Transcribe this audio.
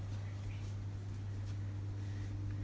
กลับมาร้อยเท้า